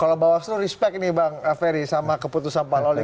kalau bawaslu respect nih bang ferry sama keputusan pak lawli